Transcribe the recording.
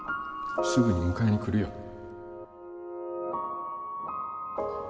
すぐに迎えに来るよ。